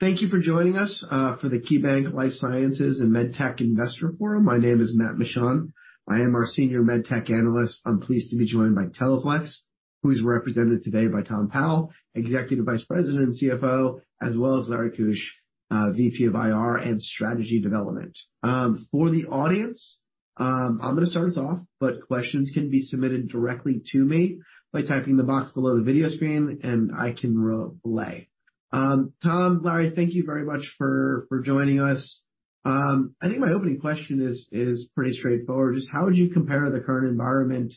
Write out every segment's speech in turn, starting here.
Thank you for joining us for the KeyBanc Life Sciences and MedTech Investor Forum. My name is Matt Mishan. I am our senior MedTech analyst. I'm pleased to be joined by Teleflex, who is represented today by Tom Powell, Executive Vice President and CFO, as well asLarry Keusch, VP of IR and Strategy Development. For the audience, I'm gonna start us off, but questions can be submitted directly to me by typing in the box below the video screen, and I can relay. Tom, Larry, thank you very much for joining us. I think my opening question is pretty straightforward. Just how would you compare the current environment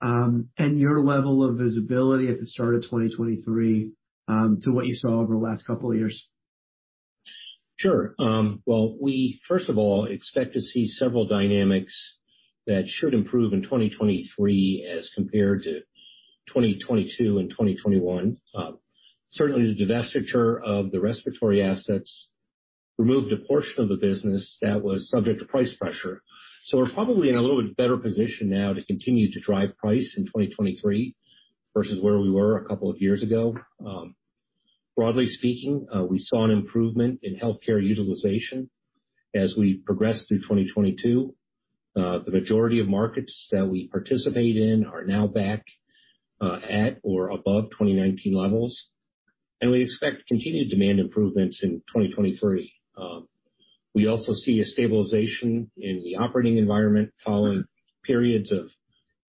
and your level of visibility at the start of 2023 to what you saw over the last couple of years? Well, we first of all expect to see several dynamics that should improve in 2023 as compared to 2022 and 2021. Certainly the divestiture of the respiratory assets removed a portion of the business that was subject to price pressure. We're probably in a little bit better position now to continue to drive price in 2023 versus where we were a couple of years ago. Broadly speaking, we saw an improvement in healthcare utilization as we progressed through 2022. The majority of markets that we participate in are now back at or above 2019 levels, and we expect continued demand improvements in 2023. We also see a stabilization in the operating environment following periods of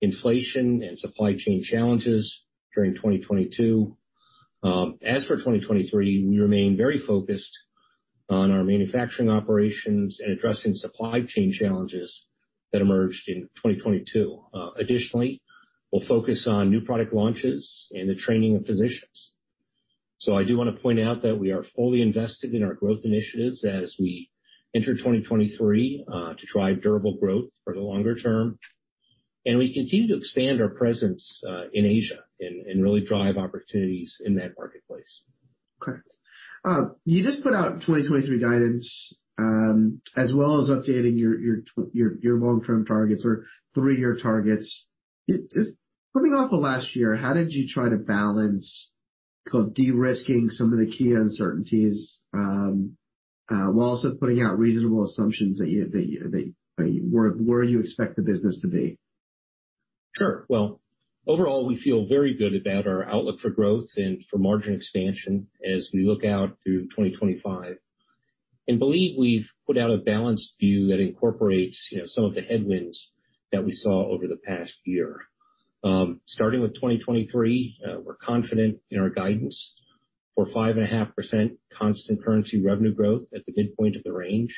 inflation and supply chain challenges during 2022. As for 2023, we remain very focused on our manufacturing operations and addressing supply chain challenges that emerged in 2022. Additionally, we'll focus on new product launches and the training of physicians. I do wanna point out that we are fully invested in our growth initiatives as we enter 2023 to drive durable growth for the longer term, and we continue to expand our presence in Asia and really drive opportunities in that marketplace. Okay. You just put out 2023 guidance as well as updating your long-term targets or 3-year targets. Just coming off of last year, how did you try to balance kind of de-risking some of the key uncertainties while also putting out reasonable assumptions where you expect the business to be? Well, overall, we feel very good about our outlook for growth and for margin expansion as we look out through 2025 and believe we've put out a balanced view that incorporates, you know, some of the headwinds that we saw over the past year. Starting with 2023, we're confident in our guidance for 5.5% constant currency revenue growth at the midpoint of the range.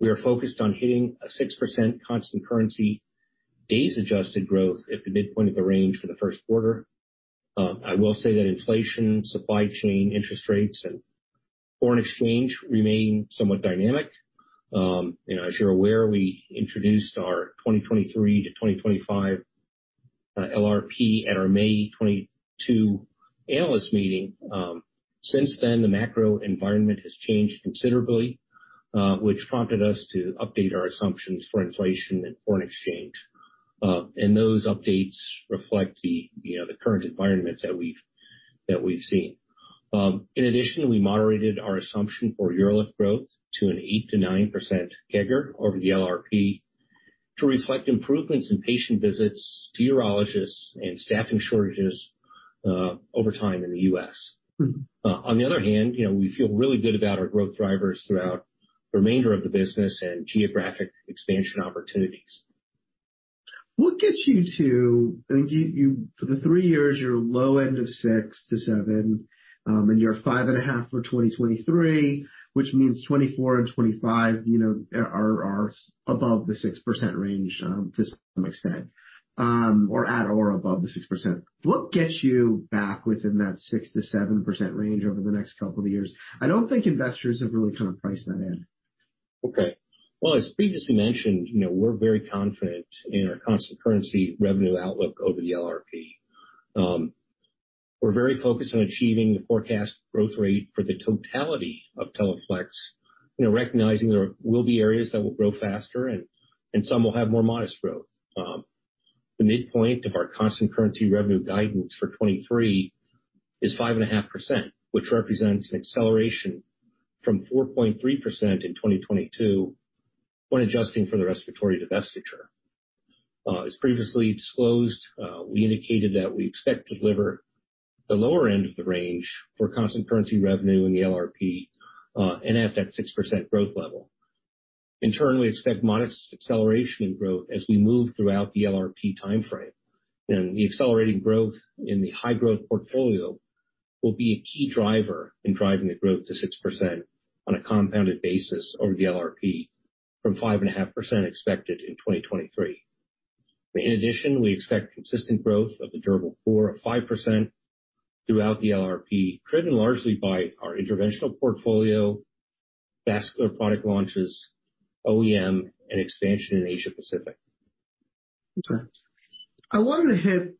We are focused on hitting a 6% constant currency days adjusted growth at the midpoint of the range for the first quarter. I will say that inflation, supply chain, interest rates, and foreign exchange remain somewhat dynamic. You know, as you're aware, we introduced our 2023-2025 LRP at our May 2022 analyst meeting. Since then, the macro environment has changed considerably, which prompted us to update our assumptions for inflation and foreign exchange. Those updates reflect the, you know, the current environment that we've seen. In addition, we moderated our assumption for UroLift growth to an 8%-9% CAGR over the LRP to reflect improvements in patient visits to urologists and staffing shortages, over time in the U.S. Mm-hmm. On the other hand, you know, we feel really good about our growth drivers throughout the remainder of the business and geographic expansion opportunities. What gets you to I think you for the 3 years, your low end of 6-7, and you're 5.5 for 2023, which means 2024 and 2025, you know, are above the 6% range to some extent or at or above the 6%. What gets you back within that 6%-7% range over the next couple of years? I don't think investors have really kind of priced that in. Okay. Well, as previously mentioned, you know, we're very confident in our constant currency revenue outlook over the LRP. We're very focused on achieving the forecast growth rate for the totality of Teleflex. You know, recognizing there will be areas that will grow faster and some will have more modest growth. The midpoint of our constant currency revenue guidance for 2023 is 5.5%, which represents an acceleration from 4.3% in 2022 when adjusting for the respiratory divestiture. As previously disclosed, we indicated that we expect to deliver the lower end of the range for constant currency revenue in the LRP, and at that 6% growth level. In turn, we expect modest acceleration in growth as we move throughout the LRP timeframe. The accelerating growth in the high-growth portfolio will be a key driver in driving the growth to 6% on a compounded basis over the LRP from 5.5% expected in 2023. In addition, we expect consistent growth of the durable core of 5% throughout the LRP, driven largely by our interventional portfolio, vascular product launches, OEM, and expansion in Asia Pacific. Okay. I wanted to hit,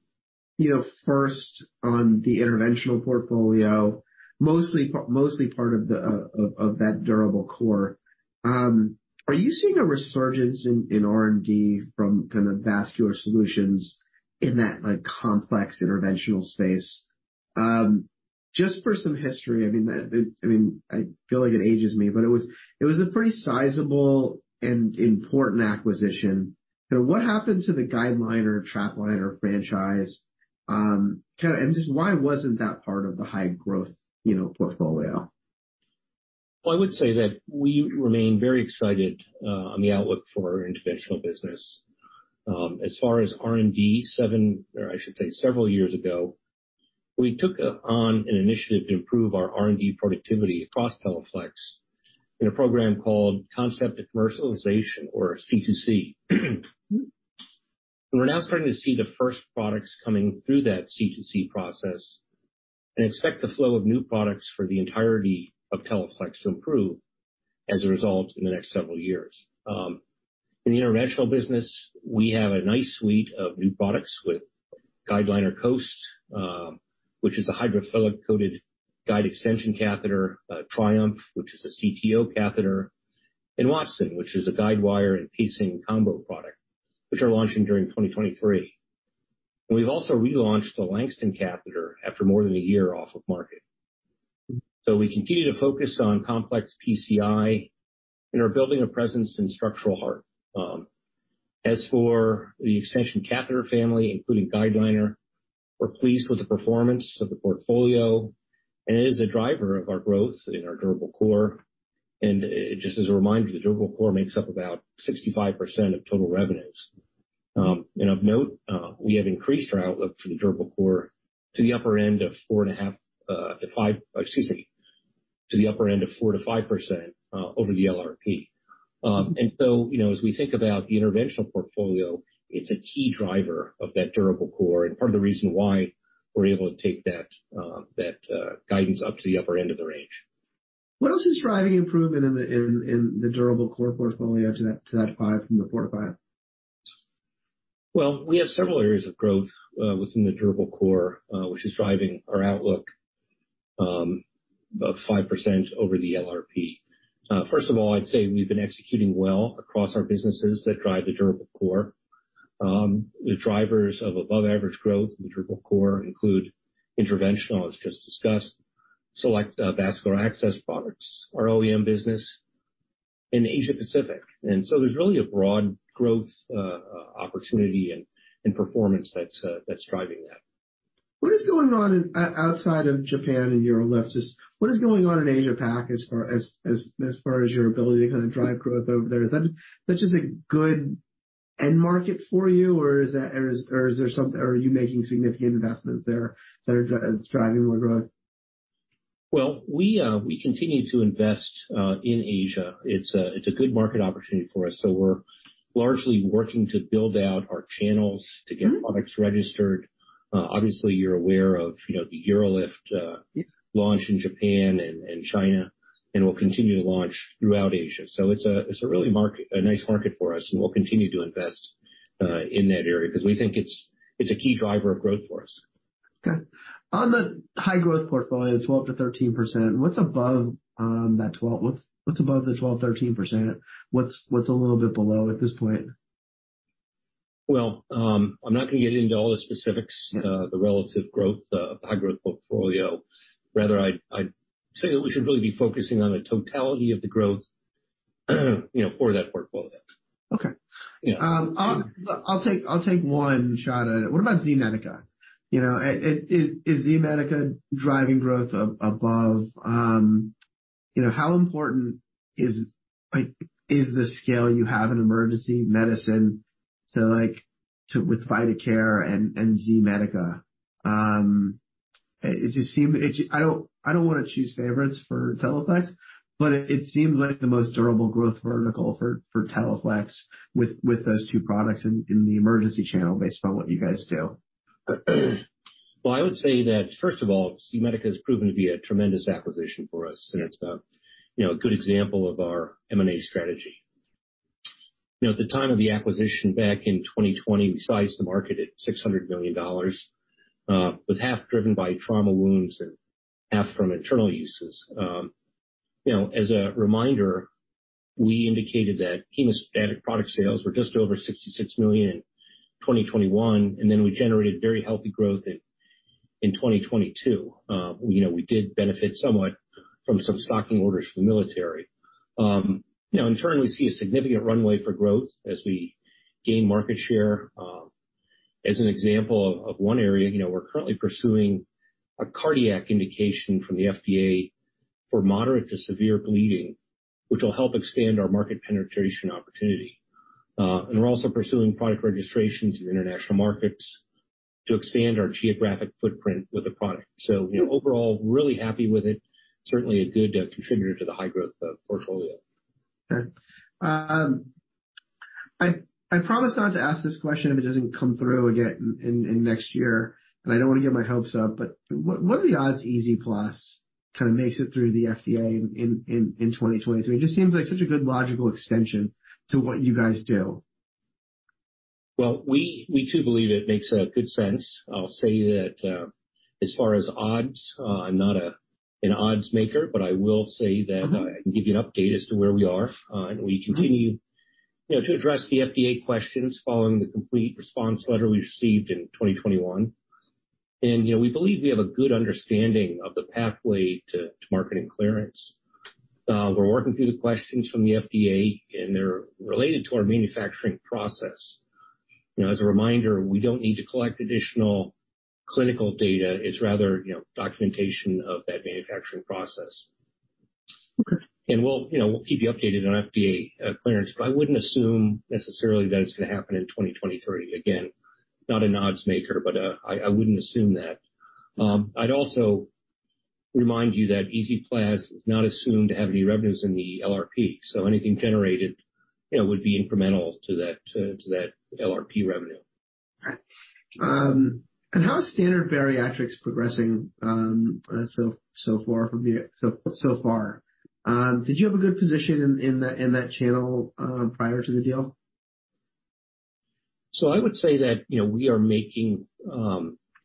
you know, first on the interventional portfolio, mostly part of that durable core. Are you seeing a resurgence in R&D from kind of Vascular Solutions in that like complex interventional space? Just for some history, I mean, I feel like it ages me, but it was a pretty sizable and important acquisition. What happened to the GuideLiner TrapLiner franchise, kind of, and just why wasn't that part of the high-growth, you know, portfolio? Well, I would say that we remain very excited on the outlook for our interventional business. As far as R&D, several years ago, we took on an initiative to improve our R&D productivity across Teleflex in a program called Concept to Commercialization or C2C. We're now starting to see the first products coming through that C2C process and expect the flow of new products for the entirety of Teleflex to improve as a result in the next several years. In the interventional business, we have a nice suite of new products with GuideLiner Coast, which is a hydrophilic-coated guide extension catheter, Triumph, which is a CTO catheter, and WattsUp, which is a guide wire and pacing combo product, which are launching during 2023. We've also relaunched the Langston catheter after more than a year off of market. We continue to focus on complex PCI and are building a presence in structural heart. As for the extension catheter family, including GuideLiner, we're pleased with the performance of the portfolio, and it is a driver of our growth in our durable core. Just as a reminder, the durable core makes up about 65% of total revenues. Of note, we have increased our outlook for the durable core to the upper end of 4%-5% over the LRP. As we think about the interventional portfolio, it's a key driver of that durable core and part of the reason why we're able to take that guidance up to the upper end of the range. What else is driving improvement in the durable core portfolio to that 5 from the 4-5? Well, we have several areas of growth within the durable core, which is driving our outlook of 5% over the LRP. First of all, I'd say we've been executing well across our businesses that drive the durable core. The drivers of above-average growth in the durable core include interventional, as just discussed, select vascular access products, our OEM business in Asia Pacific. There's really a broad growth opportunity and performance that's driving that. What is going on outside of Japan and UroLift is what is going on in Asia Pac as far as your ability to kind of drive growth over there? Is that just a good end market for you? Or is there some are you making significant investments there that's driving more growth? We continue to invest in Asia. It's a good market opportunity for us, so we're largely working to build out our channels to get products registered. Obviously, you're aware of, you know, the UroLift launch in Japan and China, and we'll continue to launch throughout Asia. It's a really a nice market for us, and we'll continue to invest in that area because we think it's a key driver of growth for us. Okay. On the high-growth portfolio, 12%-13%, what's above that 12? What's above the 12%, 13%? What's a little bit below at this point? I'm not gonna get into all the specifics, the relative growth, high-growth portfolio. Rather, I'd say we should really be focusing on the totality of the growth, you know, for that portfolio. Okay. Yeah. I'll take one shot at it. What about Z-Medica? You know, is Z-Medica driving growth above, how important is like, is the scale you have in emergency medicine to with Vidacare and Z-Medica? It just seems I don't wanna choose favorites for Teleflex, but it seems like the most durable growth vertical for Teleflex with those two products in the emergency channel based on what you guys do. I would say that, first of all, Z-Medica has proven to be a tremendous acquisition for us, and it's a, you know, a good example of our M&A strategy. You know, at the time of the acquisition back in 2020, we sized the market at $600 million, with half driven by trauma wounds and half from internal uses. You know, as a reminder, we indicated that hemostatic product sales were just over $66 million in 2021, and then we generated very healthy growth in 2022. You know, we did benefit somewhat from some stocking orders from the military. You know, in turn, we see a significant runway for growth as we gain market share. As an example of one area, you know, we're currently pursuing a cardiac indication from the FDA for moderate to severe bleeding, which will help expand our market penetration opportunity. We're also pursuing product registrations in international markets to expand our geographic footprint with the product. You know, overall really happy with it. Certainly a good contributor to the high-growth portfolio. I promise not to ask this question if it doesn't come through again in next year, and I don't want to get my hopes up, but what are the odds EZ-Plas kind of makes it through the FDA in 2023? It just seems like such a good logical extension to what you guys do. Well, we too believe it makes a good sense. I'll say that, as far as odds, I'm not an odds maker, but I will say that. Mm-hmm. I can give you an update as to where we are. Mm-hmm. You know, to address the FDA questions following the complete response letter we received in 2021. You know, we believe we have a good understanding of the pathway to marketing clearance. We're working through the questions from the FDA, and they're related to our manufacturing process. You know, as a reminder, we don't need to collect additional clinical data. It's rather, you know, documentation of that manufacturing process. Okay. We'll, you know, we'll keep you updated on FDA clearance, but I wouldn't assume necessarily that it's gonna happen in 2023. Again, not an odds maker, but I wouldn't assume that. I'd also remind you that EZPlaz is not assumed to have any revenues in the LRP, so anything generated, you know, would be incremental to that LRP revenue. All right. How is Standard Bariatrics progressing, so far? Did you have a good position in that channel, prior to the deal? I would say that, you know, we are making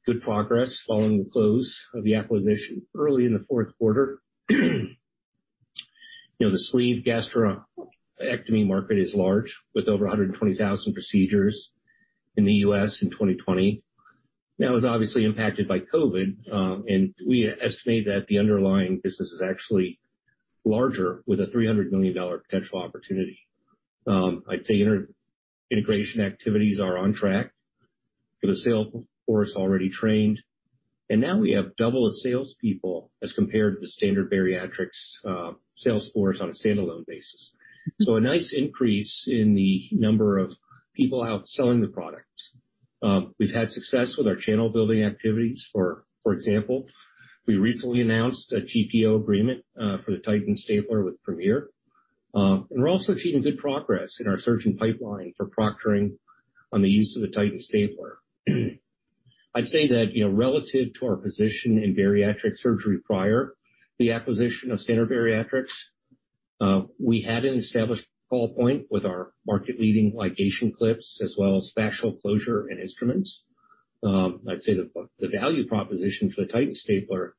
good progress following the close of the acquisition early in the fourth quarter. The sleeve gastrectomy market is large, with over 120,000 procedures in the US in 2020. That was obviously impacted by COVID, and we estimate that the underlying business is actually larger with a $300 million potential opportunity. I'd say inter-integration activities are on track for the sales force already trained. Now we have double the salespeople as compared to the Standard Bariatrics sales force on a standalone basis. A nice increase in the number of people out selling the products. We've had success with our channel-building activities. For example, we recently announced a GPO agreement for the Titan SGS with Premier. We're also seeing good progress in our surgeon pipeline for proctoring on the use of the Titan SGS. I'd say that, you know, relative to our position in bariatric surgery prior, the acquisition of Standard Bariatrics, we had an established call point with our market-leading ligation clips as well as fascial closure and instruments. I'd say the value proposition for the Titan SGS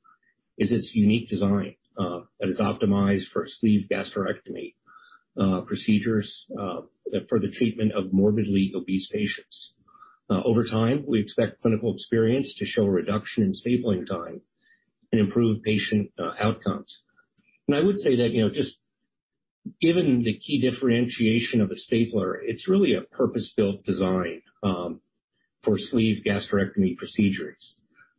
is its unique design that is optimized for sleeve gastrectomy procedures for the treatment of morbidly obese patients. Over time, we expect clinical experience to show a reduction in stapling time and improve patient outcomes. I would say that, you know, just given the key differentiation of a stapler, it's really a purpose-built design for sleeve gastrectomy procedures.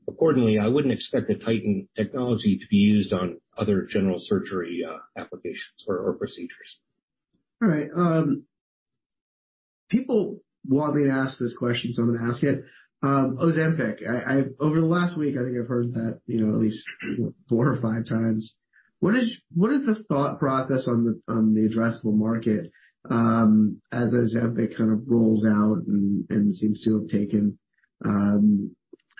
I wouldn't expect the Titan technology to be used on other general surgery applications or procedures. All right, people want me to ask this question, so I'm gonna ask it. Ozempic. I over the last week, I think I've heard that, you know, at least 4 or 5 times. What is, what is the thought process on the addressable market, as Ozempic kind of rolls out and seems to have taken,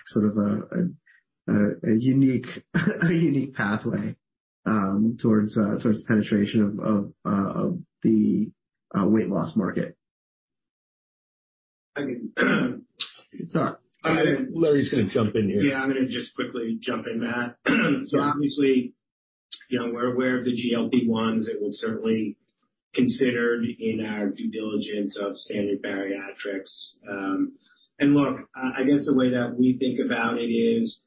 sort of a unique pathway, towards the penetration of the weight loss market? Sorry. Larry's gonna jump in here. Yeah, I'm gonna just quickly jump in, Matt. Obviously, you know, we're aware of the GLP-1s. It was certainly considered in our due diligence of Standard Bariatrics. Look, I guess the way that we think about it is,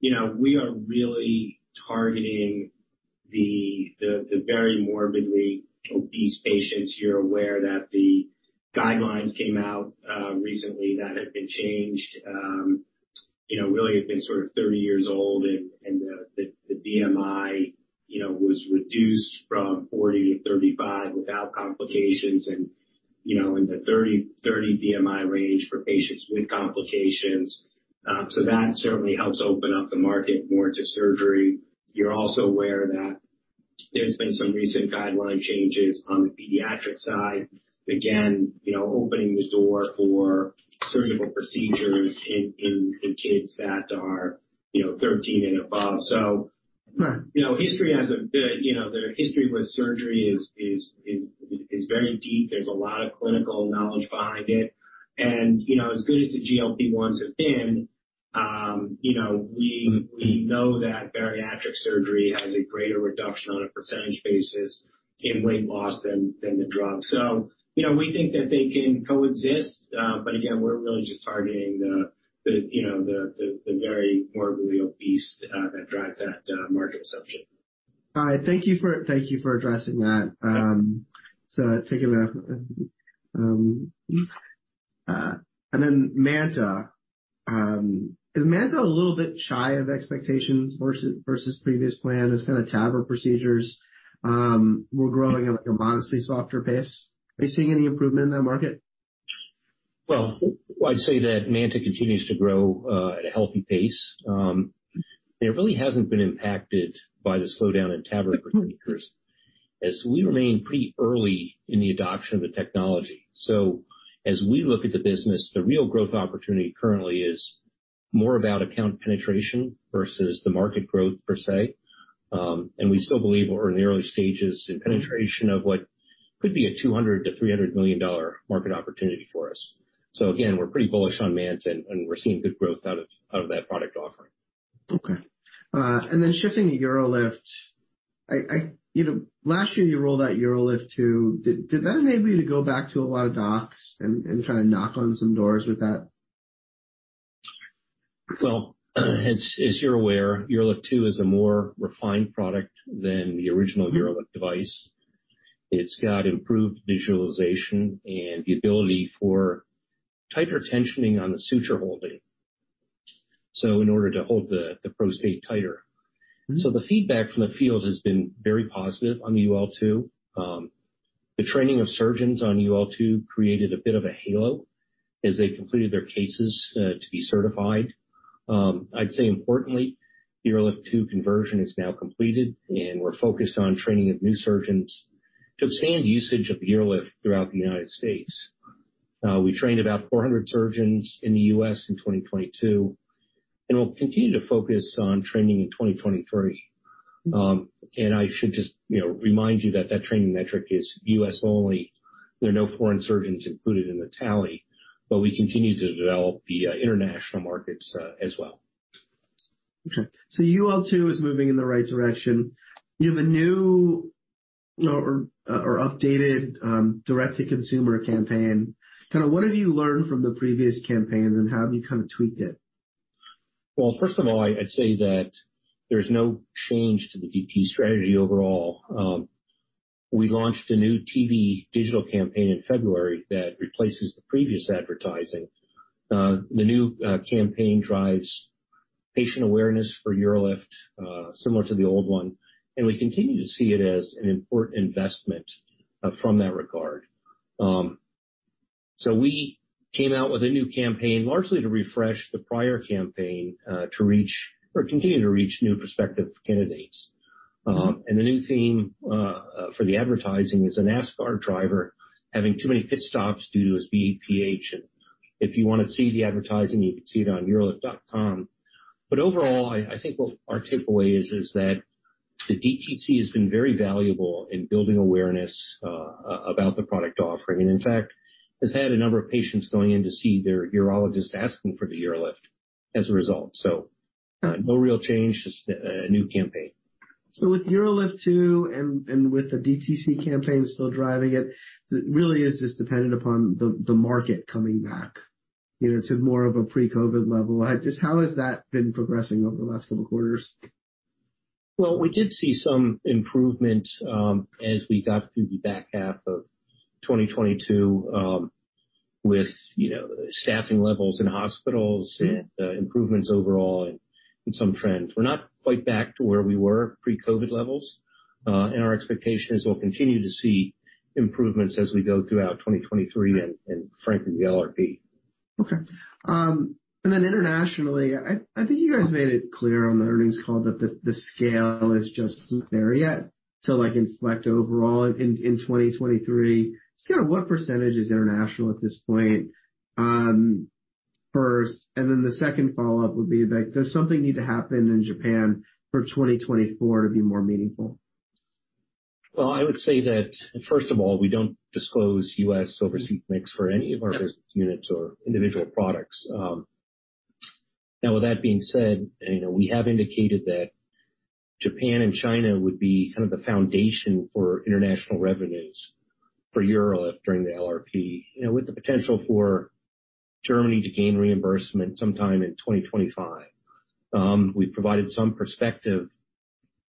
you know, we are really targeting the very morbidly obese patients. You're aware that the guidelines came out recently that have been changed. You know, really had been sort of 30 years old and the BMI, you know, was reduced from 40 to 35 without complications and, you know, in the 30 BMI range for patients with complications. That certainly helps open up the market more to surgery. You're also aware that there's been some recent guideline changes on the pediatric side, again, you know, opening the door for surgical procedures in kids that are, you know, 13 and above. Right. You know, history has the, you know, the history with surgery is very deep. There's a lot of clinical knowledge behind it. You know, as good as the GLP-1s have been, you know, we know that bariatric surgery has a greater reduction on a percentage basis in weight loss than the drug. You know, we think that they can coexist, but again, we're really just targeting the, you know, the very morbidly obese that drives that market assumption. All right. Thank you for addressing that. Take a breath. Then MANTA. Is MANTA a little bit shy of expectations versus previous plans? Those kinda TAVR procedures were growing at a modestly softer pace. Are you seeing any improvement in that market? I'd say that MANTA continues to grow, at a healthy pace. It really hasn't been impacted by the slowdown in TAVR procedures as we remain pretty early in the adoption of the technology. As we look at the business, the real growth opportunity currently is more about account penetration versus the market growth per se. We still believe we're in the early stages in penetration of what could be a $200 million-$300 million market opportunity for us. We're pretty bullish on MANTA, and we're seeing good growth out of that product offering. Okay. Shifting to UroLift. You know, last year you rolled out UroLift 2. Did that enable you to go back to a lot of docs and try to knock on some doors with that? Well, as you're aware, UroLift 2 is a more refined product than the original UroLift device. It's got improved visualization and the ability for tighter tensioning on the suture holding, so in order to hold the prostate tighter. Mm-hmm. The feedback from the field has been very positive on the UL 2. The training of surgeons on UL 2 created a bit of a halo as they completed their cases to be certified. I'd say importantly, UroLift 2 conversion is now completed, and we're focused on training of new surgeons to expand usage of the UroLift throughout the United States. We trained about 400 surgeons in the US in 2022, and we'll continue to focus on training in 2023. I should just, you know, remind you that that training metric is US only. There are no foreign surgeons included in the tally, but we continue to develop the international markets as well. Okay. UL 2 is moving in the right direction. You have a new or updated, direct-to-consumer campaign. Kind of what have you learned from the previous campaigns, and how have you kind of tweaked it? Well, first of all, I'd say that there's no change to the DT strategy overall. We launched a new TV digital campaign in February that replaces the previous advertising. The new campaign drives patient awareness for UroLift, similar to the old one, and we continue to see it as an important investment from that regard. We came out with a new campaign largely to refresh the prior campaign to reach or continue to reach new prospective candidates. The new theme for the advertising is a NASCAR driver having too many pit stops due to his BPH. If you wanna see the advertising, you can see it on urolift.com. Overall, I think what our takeaway is that the DTC has been very valuable in building awareness about the product offering, and in fact, has had a number of patients going in to see their urologist asking for the UroLift as a result. No real change, just a new campaign. With UroLift 2 and with the DTC campaign still driving it really is just dependent upon the market coming back, you know, to more of a pre-COVID level. Just how has that been progressing over the last couple quarters? Well, we did see some improvement, as we got through the back half of 2022, with, you know, staffing levels in hospitals and improvements overall in some trends. We're not quite back to where we were pre-COVID levels, and our expectation is we'll continue to see improvements as we go throughout 2023 and frankly, the LRP. Okay. Then internationally, I think you guys made it clear on the earnings call that the scale is just not there yet to like inflect overall in 2023. Just kind of what percentage is international at this point, first, and then the second follow-up would be like, does something need to happen in Japan for 2024 to be more meaningful? I would say that, first of all, we don't disclose U.S. overseas mix for any of our business units or individual products. With that being said, you know, we have indicated that Japan and China would be kind of the foundation for international revenues for UroLift during the LRP, you know, with the potential for Germany to gain reimbursement sometime in 2025. We provided some perspective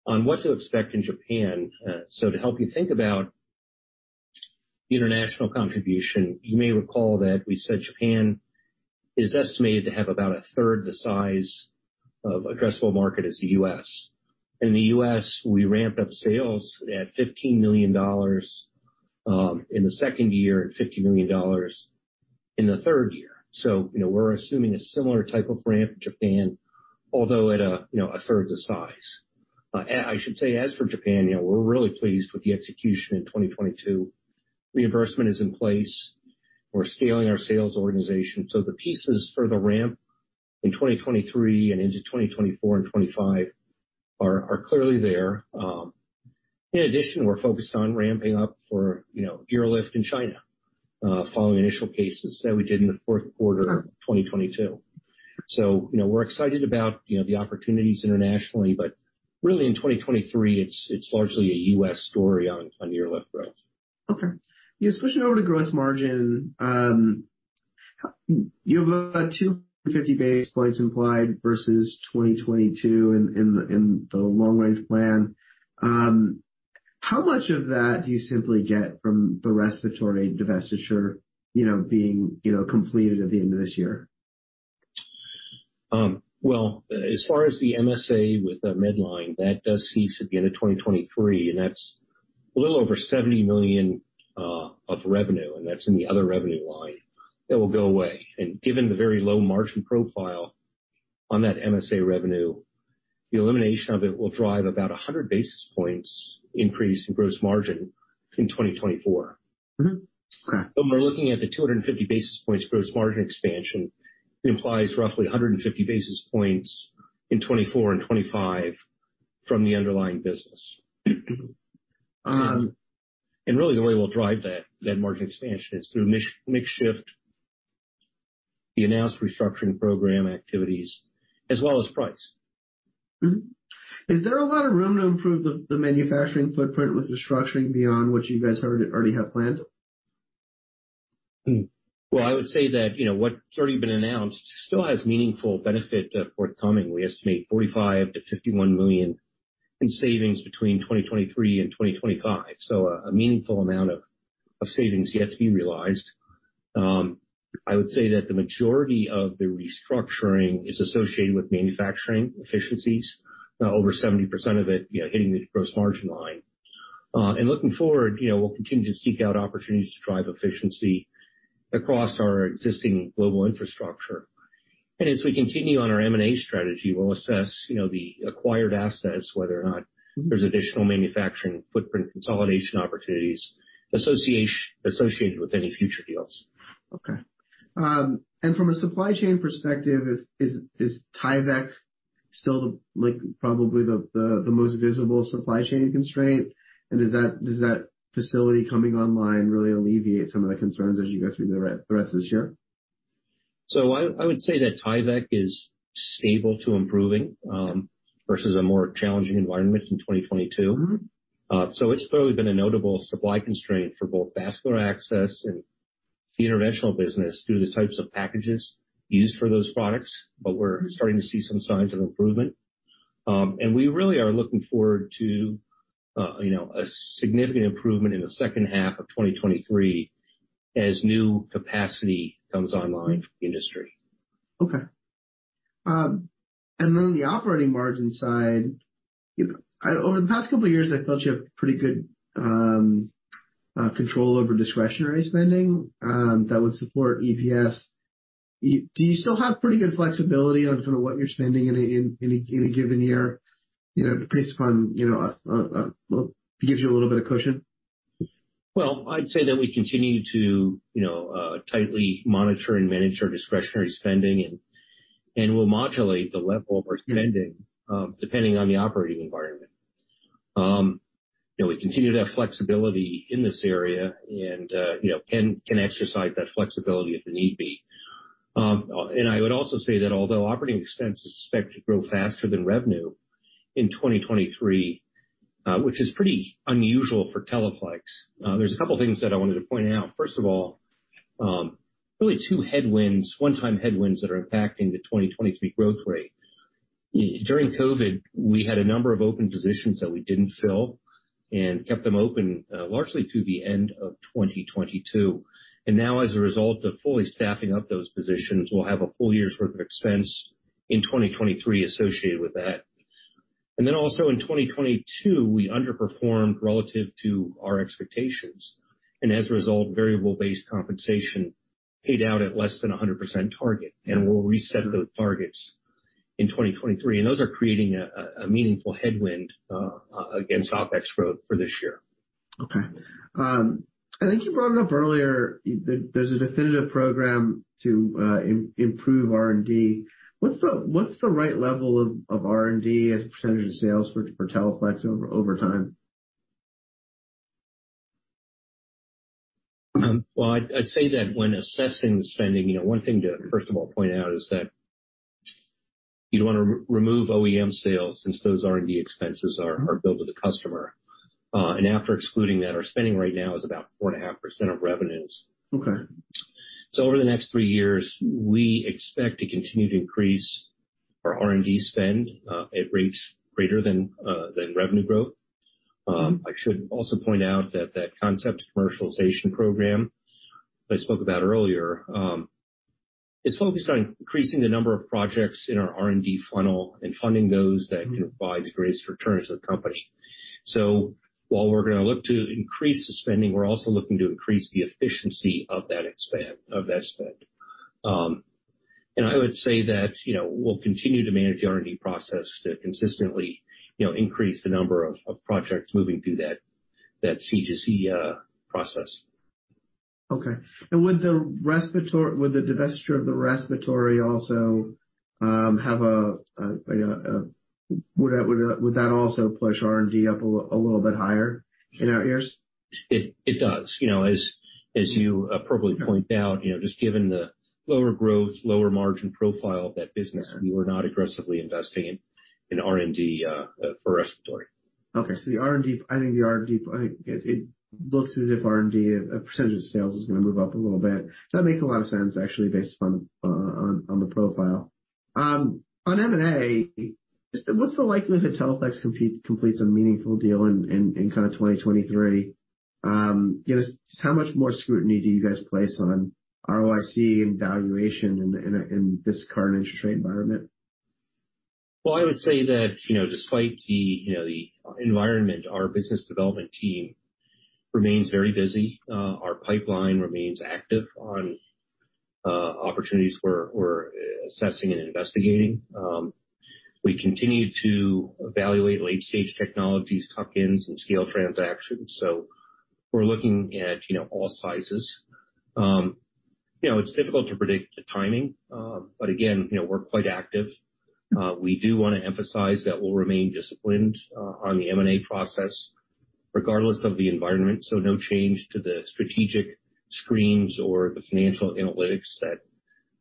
on what to expect in Japan. To help you think about international contribution, you may recall that we said Japan is estimated to have about a third the size of addressable market as the U.S. In the U.S., we ramped up sales at $15 million in the second year and $50 million in the third year. You know, we're assuming a similar type of ramp in Japan, although at a, you know, a third the size. And I should say, as for Japan, you know, we're really pleased with the execution in 2022. Reimbursement is in place. We're scaling our sales organization. The pieces for the ramp in 2023 and into 2024 and 2025 are clearly there. In addition, we're focused on ramping up for, you know, UroLift in China, following initial cases that we did in the fourth quarter of 2022. You know, we're excited about, you know, the opportunities internationally, but really in 2023, it's largely a U.S. story on UroLift growth. Yeah, switching over to gross margin. You have 250 basis points implied versus 2022 in the long-range plan. How much of that do you simply get from the respiratory divestiture, you know, being, you know, completed at the end of this year? Well, as far as the MSA with the Medline, that does cease at the end of 2023, and that's a little over $70 million of revenue, and that's in the other revenue line that will go away. Given the very low margin profile on that MSA revenue, the elimination of it will drive about 100 basis points increase in gross margin in 2024. Mm-hmm. Okay. We're looking at the 250 basis points gross margin expansion implies roughly 150 basis points in 2024 and 2025 from the underlying business. Um- Really the way we'll drive that margin expansion is through mix shift, the announced restructuring program activities, as well as price. Is there a lot of room to improve the manufacturing footprint with restructuring beyond what you guys already have planned? Well, I would say that, you know, what's already been announced still has meaningful benefit forthcoming. We estimate $45 million-$51 million in savings between 2023 and 2025. A meaningful amount of savings yet to be realized. I would say that the majority of the restructuring is associated with manufacturing efficiencies, over 70% of it, you know, hitting the gross margin line. Looking forward, you know, we'll continue to seek out opportunities to drive efficiency across our existing global infrastructure. As we continue on our M&A strategy, we'll assess, you know, the acquired assets, whether or not. Mm-hmm. There's additional manufacturing footprint consolidation opportunities associated with any future deals. Okay. From a supply chain perspective, is Tyvek still the, like, probably the most visible supply chain constraint? Does that facility coming online really alleviate some of the concerns as you go through the rest of this year? I would say that Tyvek is stable to improving, versus a more challenging environment in 2022. Mm-hmm. It's certainly been a notable supply constraint for both vascular access and the interventional business through the types of packages used for those products, but we're starting to see some signs of improvement. We really are looking forward to, you know, a significant improvement in the second half of 2023 as new capacity comes online for the industry. Okay. On the operating margin side, you know, over the past couple of years, I felt you had pretty good control over discretionary spending that would support EPS. Do you still have pretty good flexibility on kind of what you're spending in a given year, you know, based upon, you know, well, it gives you a little bit of cushion? Well, I'd say that we continue to, you know, tightly monitor and manage our discretionary spending, and we'll modulate the level of our spending, depending on the operating environment. You know, we continue to have flexibility in this area and, you know, can exercise that flexibility if need be. I would also say that although operating expenses are expected to grow faster than revenue in 2023, which is pretty unusual for Teleflex, there's a couple of things that I wanted to point out. First of all, really 2 headwinds, one-time headwinds that are impacting the 2023 growth rate. During COVID, we had a number of open positions that we didn't fill and kept them open, largely through the end of 2022. Now, as a result of fully staffing up those positions, we'll have a full year's worth of expense in 2023 associated with that. Also in 2022, we underperformed relative to our expectations. As a result, variable-based compensation paid out at less than a 100% target. Yeah. We'll reset those targets in 2023. Those are creating a meaningful headwind against OPEX growth for this year. Okay. I think you brought it up earlier, there's a definitive program to improve R&D. What's the right level of R&D as a percentage of sales for Teleflex over time? Well, I'd say that when assessing the spending, you know, one thing to first of all point out is that you'd want to remove OEM sales since those R&D expenses are billed to the customer. After excluding that, our spending right now is about 4.5% of revenues. Okay. Over the next 3 years, we expect to continue to increase our R&D spend at rates greater than revenue growth. I should also point out that that concept commercialization program that I spoke about earlier is focused on increasing the number of projects in our R&D funnel and funding those that can provide the greatest returns to the company. While we're gonna look to increase the spending, we're also looking to increase the efficiency of that spend. And I would say that, you know, we'll continue to manage the R&D process to consistently, you know, increase the number of projects moving through that C2C process. Okay. Would the divesture of the respiratory also would that also push R&D up a little bit higher in out years? It does. You know, as you appropriately point out, you know, just given the lower growth, lower margin profile of that business. Yeah. We were not aggressively investing in R&D for respiratory. Okay. The R&D, I think the R&D, it looks as if R&D, a percentage of sales is gonna move up a little bit. That makes a lot of sense actually based upon on the profile. On M&A, just what's the likelihood Teleflex completes a meaningful deal in kind of 2023? Give us just how much more scrutiny do you guys place on ROIC and valuation in this current interest rate environment? Well, I would say that, you know, despite the, you know, the environment, our business development team remains very busy. Our pipeline remains active on opportunities we're assessing and investigating. We continue to evaluate late-stage technologies, tuck-ins, and scale transactions. We're looking at, you know, all sizes. You know, it's difficult to predict the timing, but again, you know, we're quite active. We do wanna emphasize that we'll remain disciplined on the M&A process regardless of the environment. No change to the strategic screens or the financial analytics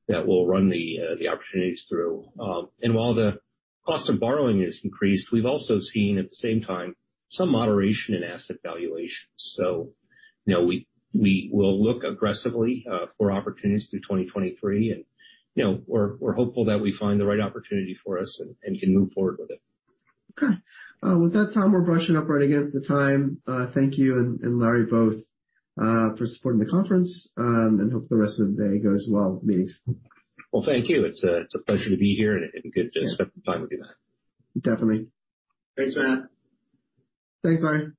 that we'll run the opportunities through. While the cost of borrowing has increased, we've also seen at the same time some moderation in asset valuations. You know, we will look aggressively for opportunities through 2023. you know, we're hopeful that we find the right opportunity for us and can move forward with it. Okay. With that, Tom, we're brushing up right against the time. Thank you and Larry both, for supporting the conference, and hope the rest of the day goes well with meetings. Well, thank you. It's a pleasure to be here and good to spend some time with you, Matt. Definitely. Thanks, Matt. Thanks, Larry.